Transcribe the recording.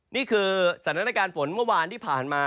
นี่คือสถานการณ์ฝนเมื่อวานที่ผ่านมา